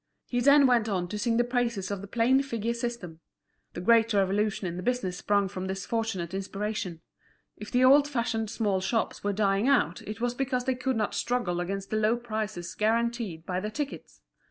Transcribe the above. He then went on to sing the praises of the plain figure system. The great revolution in the business sprung from this fortunate inspiration. If the old fashioned small shops were dying out it was because they could not struggle against the low prices guaranteed by the tickets.